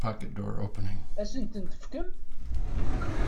Ad asent-tent-tefkem?